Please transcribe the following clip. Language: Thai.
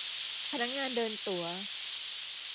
พนักงานเดินตั๋ว